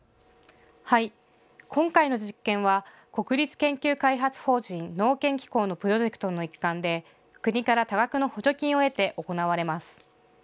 今回の実験は国立研究開発法人農研機構のプロジェクトの一環で国から多額の補助金を得て行われます。